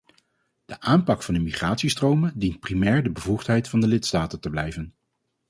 De aanpak van de migratiestromen dient primair de bevoegdheid van de lidstaten te blijven.